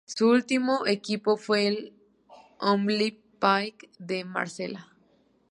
Su último equipo fue el Olympique de Marsella.